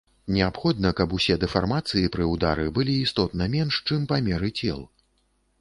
Неабходна, каб усе дэфармацыі пры ўдары былі істотна менш, чым памеры цел.